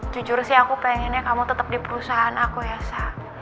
jujur sih aku pengennya kamu tetap di perusahaan aku yasa